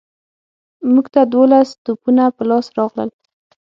موږ ته دوولس توپونه په لاس راغلل.